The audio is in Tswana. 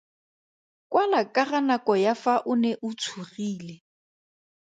Kwala ka ga nako ya fa o ne o tshogile.